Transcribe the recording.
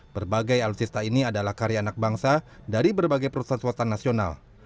berbagai alutsista ini adalah karya anak bangsa dari berbagai perusahaan swasta nasional